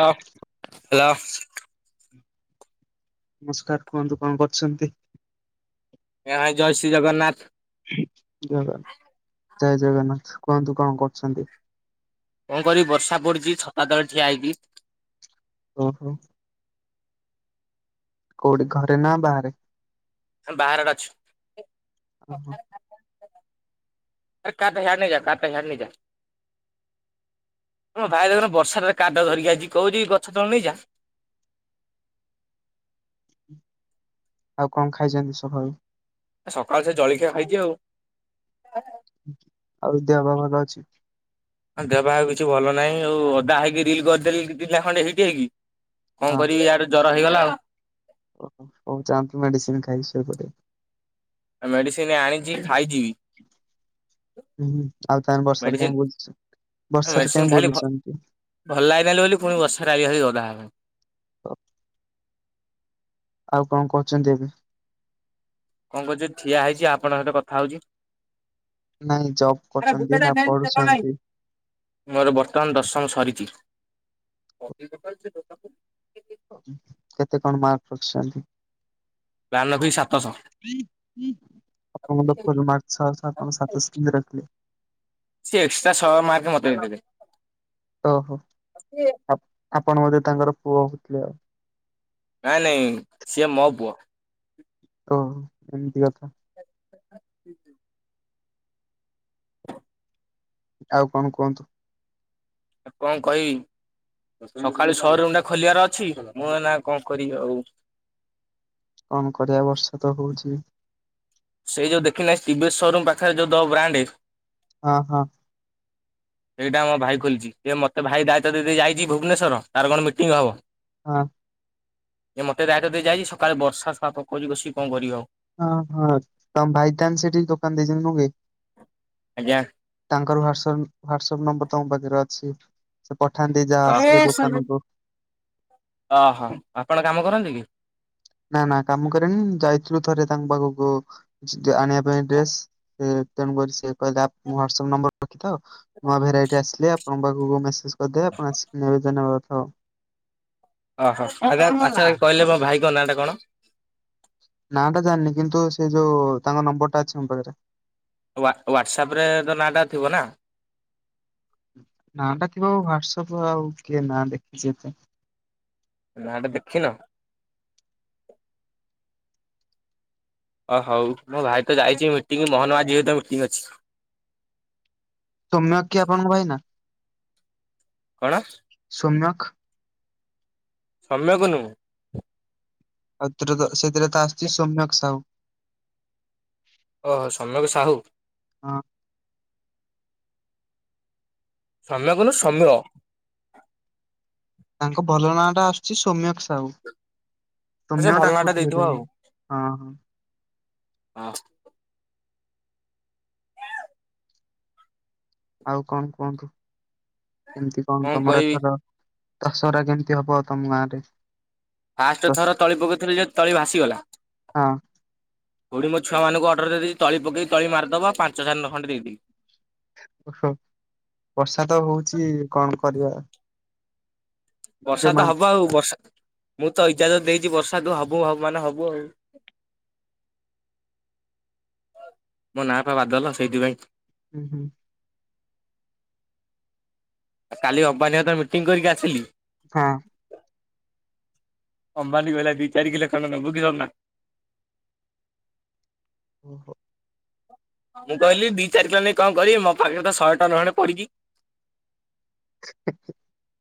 ହଁ ହେଲୋ। ନମସ୍କାର କୁହନ୍ତୁ କଣ କରୁଛନ୍ତି? ଏ ହାଏ ଜୟ ଶ୍ରୀ ଜଗନ୍ନାଥ। ଜଗନ୍ ଜୟ ଜଗନ୍ନାଥ କୁହନ୍ତୁ କଣ କରୁଛନ୍ତି? କଣ କରିବି ବର୍ଷା ପଡିଛି ଛତାତଳେ ଠିଆ ହେଇଚି। ଓ ହୋ। କୋଉଠି ଘରେ ନା ବାହାରେ। ବାହାରେ ଆଡେ ଅଛୁ। ଓ ହୋ। ଆରେ କାର ଟା ହିଏଡେ ନେଇଯା କାର ଟା ହିଆଡେ ନେଇଯା। ମୋ ଭାଇ ଦେଖୁନ ବର୍ଷା ଟାରେ କାର ଟାକୁ ଧରିକି ଆସିଚି। କହୁଛି ଗଛ ତଳେ ନେଇଯା। [inaudible] ହୁଁ। ଆଉ କଣ ଖାଇଛନ୍ତି ସଖାଳୁ? ସକାଳୁ ସେ ଜଳଖିଆ ଖାଇଛିି ଆଉ। ଆଉ ଦେହ ପା ଭଲ ଅଛି? ହ ଦେହ ବା କିଛି ଭଲ ନାହିଁ। ଆଉ ଓଦା ହେଇକି ରିଲ କରିଦେଲି ଦି ତିନି ଟା ଖଣ୍ଡେ ହିଟ୍ ହେଇକି। କଣ କରିବି ଇୟାଡୁ ଜର ହେଇଗଲା ଆଉ। ଓ ହ ହଉ ଯାଆନ୍ତୁ ମେଡିସନ୍ ଖାଇକି ସୋଇପଡ଼ିବେ। ମେଡିସିନ ଆଣିଛି ଖାଇଛି ବି। ହୁଁଁ ଆଉ ତାନେ ବର୍ଷା ରେ କାହିଁ ବୁଲୁଛୁ। ମେଡିସିନ ଖାଇଲି ଭ ଭଲ ଲାଗିଲାନି ବୋଲି। ପୁଣି ବର୍ଷାରେ ଆଇଲି ଭାଇ ଓଦା ହବାପାଇଁ। ହଁ। ଆଉ କଣ କରହୁଛନ୍ତି ଏବେ? କଣ କରୁଛୁ ଠିଆ ହେଇଛି ଆପଣଙ୍କ ସହିତ କଥା ହଉଛି। ନାଇଁ ଜବ୍ କରୁଛନ୍ତି ନା ପଢୁଛନ୍ତି।? ମୋର ବର୍ତ୍ତମାନ୍ ଦଶମ ସରିଛି। କେତେ କଣ ମାର୍କ ରଖିଛନ୍ତି? ଲାଲ ଅଫି [unintelligible] ସେି ଏକ୍ସଟ୍ରା [unintelligible] ମାର୍କ ମତେ ଦେଇଦେବେ ଓହୋ ଆପଣ ବୋଧେ ତାଙ୍କର ପୁଅ ହଉଥିଲେ ଆଉ ନାଇଁ ନାଇଁ ସିଏ ମୋ ପୁଅ। ଓ [unintelligible] [inaudible] [inaudible] ଆଉ କଣ କୁହନ୍ତୁ ଆ କଣ କହିବି। ସକାଳେ ସୋରୁମ ଟା ଖୋଲିବାର ଅଛି, ମୁଁ ନା କଣ କରିବି ଆଉ। କଣ କରିବା ବର୍ଷା ତ ହଉଛି ସେ ଯୋଉ ଦେଖିନାହିଁ ଶିବେ ଶୋରୁମ୍ ପାଖରେ ଯଉଁ ଦ ବ୍ରାଣ୍ଡ [unintelligible] ହଁ ହଁ ସେଇଟା ମୋ ଭାଇ ଖୋଲିଛି ସେଏ ମୋତେ ଭାଇ ଦାୟିତ୍ୱ ଦେଇଦ ଯାଇଛି ଭୁବନେଶ୍ୱଵର ତାର କଣ ମିଟିଂ ହବ। ହଁ ଏ ମୋତେ ଦାୟିତ୍ୱ ଦେଇ ଯାଇଛି ସକାଳେ ବର୍ଷା ସା ପକ ବଷିକି କଣ କରିବି ଆଉ ହଁ ହଁ ତ ଭାଇ ତା ସେ ଦୋକାନ ଦେଇଛନ୍ତି ଆଜ୍ଞା। ତାଙ୍କର ହ୍ୟ। ଟସପ ହ୍ୟାଟସପ ନମ୍ବର ତ ମୋ ପାଖରେ ଅଛି। ପଠାନ୍ତି ଯାହା ଆସିଲେ ଦୋକାନକୁ ଓହୋ ଆପଣ କାମ କରନ୍ତି କି ନା ନା କାମ କରେନି ଯାଇଥିଲୁ ଥରେ ତାଙ୍କ ପାଖକୁ ଆଣିବା ପାଇଁ ଡ୍ରେସ ତେଣୁ କରି ସେ କହିଲା ହାଟସପ ନମ୍ବର ରଖି ନୂଆ ଭେରାଇଟି ଆସିଲେ ଆପଣଙ୍କ ପାଖକୁ ମେସେଜ ସଧ ଆପଣ ନବେଦନବାଥାଉ [inaudible] ଓହୋ ଆା ପାଛ କହିଲେ ମୋ ଭାଇଙ୍କ ନାଁ ଟା କଣ ନା ଟା ଜାଣିନି କିନ୍ତୁ ସେ ଯୋଉ ତାଙ୍କ ନମ୍ବର ଟା ଅଛି ମୋ ପାଖରେ। ହ୍ଵାଟସପରେ ତ ନାଟା ଥିବ ନା। ନା ଟା ଥିବ ହାଟସପ ଆଉ କିଏ ନା ଦେଖି ଏତେ, ନାଟା ଦେଖିନ? ଓ ହଉ ମୋ ଭାଇ ତ ଯାଇଛି ମିଟିଂ ମୋହନ ମାଝି ସହିତ ମିଟିଙ୍ଗ ଅଛି ସୋମ୍ୟକ୍ କି ଆପଣଙ୍କ ଭାଇ ନା? କଣ? ସୋମ୍ୟକ୍? ସମ୍ୟକ ନୁହେଁ ଆଉଥିରେ ତ ସେଥିରେ ତ ଆସିଛି ସୋମ୍ୟକ ସାହୁ। ଓହୋ ସମ୍ୟକ୍ ସାହୁ? ହଁ ସମମ୍ୟକ୍ ନୁ ସୋମ୍ୟ ତାଙ୍କ ଭଲ ନାଁ ଟା ଆସୁଛି ସୌମ୍ୟକ ସାହୁ। ସେ ସୌମ୍ୟ ଭଲ ନାଁଟା ଡାକୁଥିବେ ଦେଇଥିବ ଆଉ ତାଙ୍କୁ ହଁ ହଁ ହଁ ଆଉ କଣ କୁହନ୍ତୁ କେମିତି କଣ ତମର ଏଥର ଦଶହରା କେମିତି ହବ ତମ ଗାଁରେ? ଫାଷ୍ଟ ଦ ଥର ତଳି ପକଥିଲି ଯେ ତଳି ଭାସିଗଲା, ହଁ। ହଉଠି ମୋ ଛୁଆଙ୍କୁ ଅର୍ର ଦେଇଛି ତ ପକ ତଳି ମାରିଦବା ପାଞ୍ଚ ଧାନ ଖଣ୍ଡେ ଦେଇଦବି ଓହୋ ବର୍ଷା ତ ହଉଛି କଣ କରିବା ବର୍ଷା ତ ଯୋଉମାନେ ହବ ଆଉ ବର୍ଷା ମୁଁ ତ ଇଜାଜତ ଦେଇଛି ବର୍ଷାକୁୁ ହବୁ ହବ ମାନେ ହବୁ ଆଉ [inaudible] ମୋ ନାଁ ପା ବାଦଲ ସେଇଥିପାଇଁ ହୁଁ ହୁଁ। ଆଉ କାଲି ଅମ୍ବାନୀ ହତରେ ମିଟିଂ କରିକି ଆସିଲି। ହଁ। ଅମ୍ବାନୀ କହିଲା ଦି ଚାରି କିଲୋ ଖଣ୍ଡେ ନବୁ କିି ସୁନା? [inaudible] [inaudible] ମୁଁ କହିଲି ଦି ଚାରି କିଲୋ ନେଇକି କଣ କରିବି ମୋ ପାଖରେ ତ ଶହେ ଟନ୍ ଖଣ୍ଡେ ପଡିଛି। [unintelligible]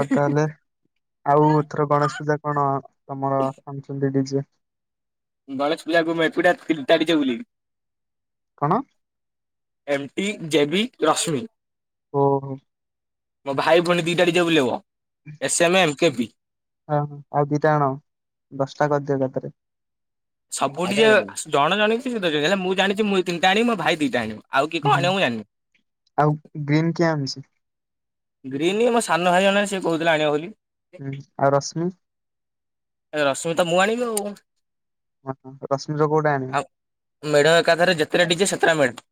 ଆଉ ତାହେଲେ ଆଉ ଏଥର ଗଣେଶ ପୂଜା କଣ ତମର ଆଣୁଛନ୍ତି ଡିଜେ? ଗଣେଶ ପୂଜାକୁ ମୁଁ ଏକୁଟିଆ ତିନିଟା ଡିଯେ ବୁଲି କଣ? ଏମ୍ ଟି ଜେ ବି ରଶ୍ମି ଓହୋ। ମୋ ଭାଇ ଭଉଣୀ ଦିଟା ଡି ଜେ ବୁଲିବ S M A M K P ହଁ ଆଉ ଦିଟା ଆଣ ଦଶଟା କରିଦିଅ ଏକାଥରେ ସବୁ ଟିକେ ଜଣ ଜଣ ଜଣ ହେଲେ ମୁଁ ଜାଣିଛି ମୁଁ ତିନିଟା ଆଣି ମୋ ଭାଇ ଦିଟା ଆଣିବ। ଆଉ କିଏ କଣ ହୁଁ ଆଣିବ ମୁଁ ଜାଣିନି। ଆଉ ଗ୍ରୀନ୍ କିଏ ଆଣିଛି? ଗ୍ରୀନ୍ ମ -ମ ସାନ ଭାଇ ଜଣ ସେ କହୁଥିଲା ଆଣିବ ବୋଲି ହୁଁ ଆଉ ରଶ୍ମି ରଶ୍ମିତା ମୁଁ ଆଣିବି ଆଉ ହଁ ରଶ୍ମିର କୋଉଟା ଆଣିବ? ହ ମେଢ଼ ଏକାଥରେ ଯେତେଟା ଡି ଜେ ସେତେଟା ମେଢ଼।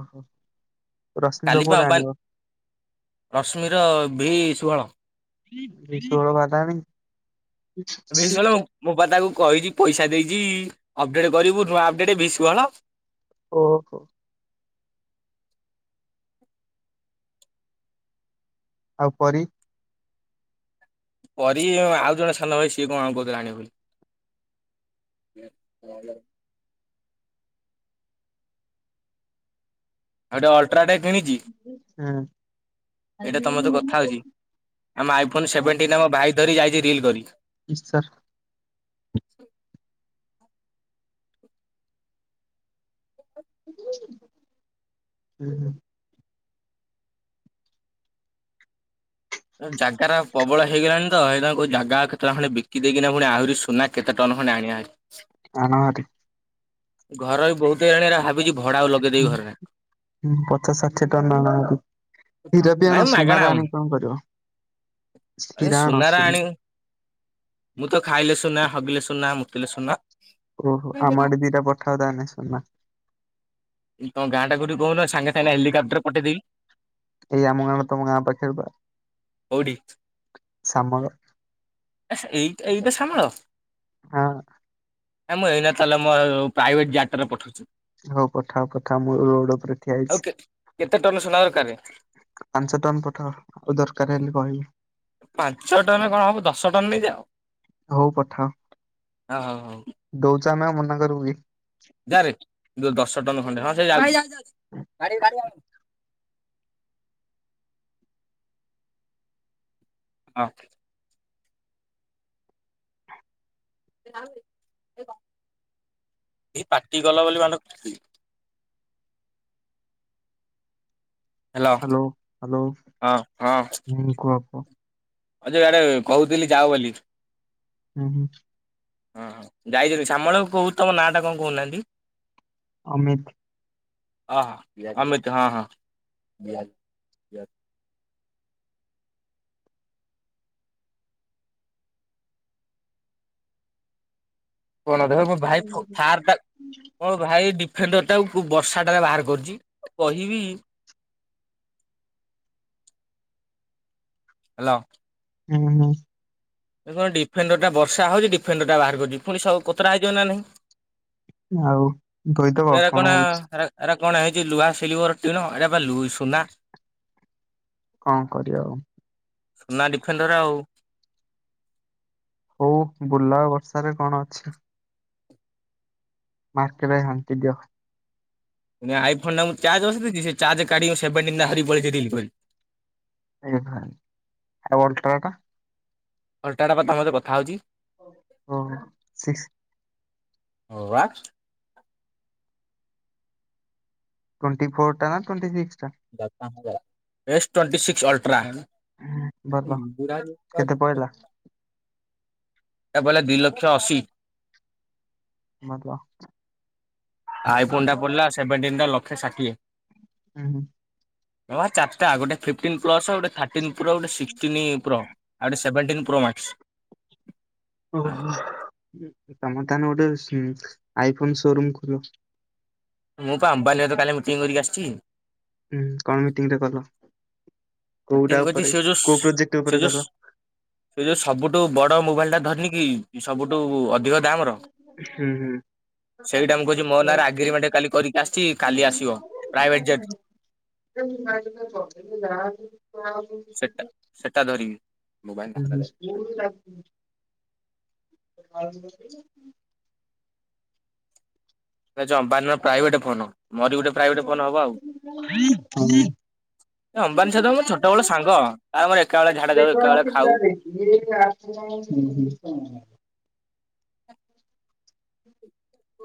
ଓହୋ ରଶ୍ମିର କାଲି ପା କଉରା ଅମ୍ବାନୀ ଆଣିବ? ରଶ୍ମିର ଭି ସୁହଳ ରିଶୋଡ ବାଦନୀ ଭି ସୋଲୋ ମୁଁ ପା ତାକୁ କହିଛି ପଇସା ଦେଇଛି। ଛି ଆପଡେଟ କରିବୁ ନୂଆ ଅପଡେଟ ଭି ଷୋହଳ। ଓହୋ। ଆଉ ପରୀ? ପରୀ ଆଉ ଜଣେ ସାନ ଭାଇ ସିଏ କଣ କହୁଥିଲେ ଆଣିବ ବୋଲି। [unintelligible] ଏଇଟା ଅଲଟ୍ରାଟେକ୍। ହା। ଏଇଟା ତମତେ କଥା ହଉଛି ଆମ ଆଇଫୋନ ସେଭେଣ୍ଟିନ ଆମ ଭାଇ ଧରି ଯାଇଛି ରିଲ କରି। କି ସାର୍ [unintelligible] ହୁଁ ହୁଁ। ଜାଗାରା ପ୍ରବଳ ହେଇଗଲାଣି ତ ଏଇ ଜାଗା କେତେଟା ଖଣ୍ଡେ ବିକି ଦେଇକିନା ପୁଣି ଆହୁରି ସୁନା କେତେ ଟଙ୍କ ଖଡେ ଆଣିବା ଆଣ ହାରି ଘର ବି ବହୁତ ହେଇଲାଣି ଭାବିଛି ଭଡା ଆଉ ଲଗେଇଦେବି ଘରଟା ହଁ ପଚାଶ ଷାଠିଏ ଟନ ଆଣ ହୀରା ବିି ଆଣ ନାଇଁ ମାଗଣା ସୁନାର ଆଣି କଣ କରିବ? ଆରେ ହୀରା ଆଣ ସୁନାରା ସୁନା ଆଣିବୁ ମୁଁ ତ ଖାଇଲେ ସୁନା, ହଗିଲେ ସୁନା, ମୁତିଲେ ସୁନା ଓହୋ ଆମ ଆଡ଼େ ଦିଇଟା ପଠାଅ ତାହେଲେ ସୁନା। ତମ ଗାଁଟା କୋଉଠି କହୁନ ସାଙ୍ଗେ ସାଙ୍ଗେ ହେଲିକପ୍ଟର ରେ ପଠେଇଦେବି। ଏଇ ଆମ ଗାଁ ତମ ଗାଁ ପାଖରେ ପା କୋଉଠି? ସାମର ଏଇ ଏଇଟା ସାମର ହଁ। ନାଁ ମୁଁ ଏଇନା ତାହେଲେ ମୋ ପ୍ରାଇଭେଟ ଜାଟରେ ପଠଉଛି। ହଉ ପଠାଅ ପଠାଅ ମୁଁ ରୋଡ଼ ଉପରେ ଠିଅ ଆଉ ହେଇଛି। କେ କେତେ ଟନ ସୁନା ଦରକାର? ପାଞ୍ଚ ଟନ ପଠ ଆଉ ଦରକାର ହେଲେ କହିବୁ ପାଞ୍ଚ ଟନରେ କଣ ହବ ଦଶ ଟନ ନେଇ ଯାଅ। ହଉ ପଠାଅ। ହଁ ହଉ ହଉ। ଦଉଛୁ ଆମେ ଆଉ ମନା କରି ବୁ କି? ଯାରେ ଦଶ ଟନ ଖଣ୍ଡେ ହଁ ସେ ଆ ଏ ପାଟି କଲା ବୋଲି ମ ହ୍ୟାଲୋ ହ୍ୟାଲୋ ହଁ ହଁ କୁହ କୁହ? ଅ ଯେ ଗଡେ କହୁଥିଲି ଯାଅ ବୋଲି। ହୁଁ ହୁଁ। ହ ଯାଇଛନ୍ତି ଶ୍ୟାମଳ କହୁ ତମ ନା ଟା କଣ କହୁନାହାନ୍ତି? ଅମିତ ହଁ ହଁ ଅମିତ ହଁ ହଁ। କ ଦେ ଭାଇ ର୍ଟା ହ ଭାଇଡି ଫେଣ୍ଡ ଟାଉ ବର୍ଷାଟାରେ ବାହାର କରୁଛି କହିବି ହ୍ୟାଲୋ! ହୁଁ ହଁ। କଣ ଡିଫେଣ୍ଡର ଟା ବର୍ଷା ହଉଛି ଡିଫେଣ୍ଡର ଟା ବାହାର କରୁଛି, ପୁଣି ସବୁ କତରା ହେଇଯିବ ନା ନାହିଁ। ହଉ। ପ ର କଣ [unintelligible] କଣ ହେଇଛି ଲୁହା ସିଲଭରଟି ନ ଏଇ ବା ଲୁଇ ସୁନା କଣ କରିବା ଆଉ। ସୁନା ଡିଫେଣ୍ଡର ଆଉ। ହଉ ବୁଲାବ ବର୍ଷାରେ କଣ ଅଛି? ମାର୍କେଟ ଘା ନଟି ଦିଅ ଆଇ ଫୋନ ଟା ଚାର୍ଜ ବସି ଦେଇଛି ସେ ଚାର୍ଜ କାଢି ସେଭେଣ୍ଟିଁ ଟା ଧରି କି ପଳେଇଛି ରିଅଲ କରି ଆୱଲ ଟ ର ଟା ଅଲଟା ଟା ବା ତମ କଥା ହଉଛି। ଓ ସିକସ ହ ବା ଟ୍ୱଣ୍ଟି ଫୋର୍ଟ ଟ ନା ଟ୍ୱଟିିକ୍ସ ଯ ଏସ୍ ଟ୍ୱଟି ସିକ୍ସ ଅଲଟ୍ରା ହଁ ଭଲ ପୁର ଦ କେତେ ପଇଲା [unintelligible] ଏବେଲେ ଦୁଇ ଲକ୍ଷ ଅଶୀ ମଜା ଆସୁଛି। ଆଇ ଫୋନ୍ ଟା ପଡିଲା ସେଭେଣ୍ଟିନା ଲକ୍ଷେ ଷାଠିଏ ହୁଁ ହୁଁ। ଚାରିଟା ଗୋଟେ ଫିଫ୍ଟିନ ପ୍ଲସ ଗୋଟେ ଥିର୍ଟିଁ ନ ପ୍ରା ସେଭେଣ୍ଟଟିନ୍ ପ୍ରୋମ୍ୟାକ୍ସ ଓହୋ। ତମ ତାନେ ଗୋଟେ ଆଇ ଫୋନ ଶୋରୁମ୍ ଖୋଲ ମୁଁ ପା ଆମ୍ବାନୀ ସହିତ କାଲି ମିଟିଂ କରିକି ଆସିଚି। ହୁଁ କଣ ମିଟିଂ ରେ କଲ? କୋଉଟା ମିଟିଂ କରଚି ଉପରେ ସେ ଯୋଉ ସୁ କୋଉ ପ୍ରୋଜେକ୍ଟ ସେ ଉପରେ ଯୋଉ ସୁ କଲ ସେ ଯୋଉ ସବୁଠୁ ବଡ ମୋବାଇଲ ଟା ଧରିନି କି ସବୁଠୁ ଅଧିକ ଦାମ ର। ହୁଁ ହୁଁ ସେଇଟା ମୁଁ କହିଚି ମୋ ନାଁରେ ଆଗ୍ରିମେଣ୍ଟ କାଲି କରିକି ଆସିଚି କାଲି ଆସିବ ପ୍ରାଇଭେଟ ଜେଟରୁ। [unintelligible] କରିଦେଲି ଯାହା ସେଟା [unintelligible] ସେଟା ଧରିବି। ମୋବାଇଲ ହୁଁ ହୁଁ ମୂଳୁରୁ [unintelligible] [unintelligible] ଜମା ନୁହେଁ ପ୍ରାଇଭେଟ୍ ରେ ଫୋନ୍ ମୋର ବି ଗୋଟେ ପ୍ରାଇଭେଟ୍ ହଁ। ଅମ୍ବାନୀ ସହିତ ମୋର ର ଛୋଟ ବେଳ ର ସାଙ୍ଗ ଆ ଆମର ଏକା ବେଳେ ଝାଡା ଯାଉ ଏକା ବେଳେ ଖାଉ। ହୁଁ ହୁଁ। [inaudible]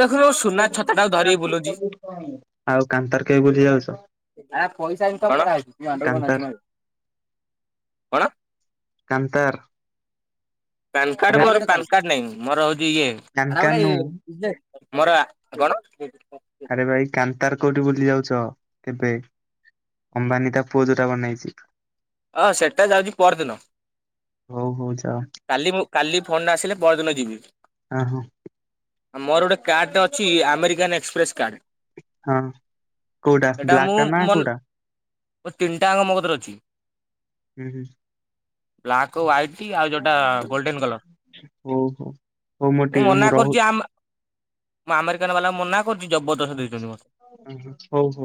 ଦେଖୁନୁ ମୋ ସୁନା ଛତାଟାକୁ ଧରିକି ବୁଲୁଛି। ଆଉ କାନ୍ତର କେବେ ବୁଲି ଯାଉଚ? [unintelligible] କାନ୍ତର। ପାନ କାର୍ଡ ମୋର ପାନ କାର୍ଡ ନାଇଁ ମୋର ହେଉ ଏଇ ଇଏ ଏଇଟା ଗୋଟେ କାନକାନ ନୁ ଏଇ ଇଏ ମୋର ଆ କଣ? ଆରେ ଭାଇ କାନ୍ତାର କୋଉଠି ବୁଲି ଯାଉଛ କେବେ ଅମ୍ବାନୀ ତା ପୁଅ ଯୋଉଟା ବନେଇଛି? ଅ ସେଟା ଯାଉଛି ପରଦିନ ହଉ ହଉ ଯାଅ କାଲି ମୁଁ କାଲି ଫୋନ୍ ଆସିଲେ ପରଦିନ ଯିବି। ଅ ହଁ। ମୋର ଗୋଟେ କାର୍ଡ଼ଟେ ଅଛି ଆମେରିକାନ୍ ଏକ୍ସପ୍ରେସ୍ କାର୍ଡ଼। ହଁ କୋଉଟା ବ୍ଲାକ୍ ଟା ନା କୋଉଟା? ଓ ତିନିଟା ଅଙ୍କ ମୋ କତିରେ ଅଛି। ହୁଁ ହୁଁ। ବ୍ଲାକ୍ ଓ୍ଇଟି ହଉ ହଉ ହଉ ମୋର ଟିକେ ମନା ମୁଁ ରହୁ କରୁଛି ଆମ ମୁଁ ଆମେରିକାନ ବାଲା କୁ ମନା କରୁଛି ଜବରଦସ୍ତ ଦେଇଛନ୍ତି ମତେ। ହଉ ହଉ।